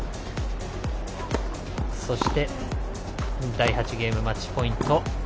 第８ゲーム、マッチポイント。